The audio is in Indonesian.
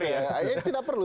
ya tidak perlu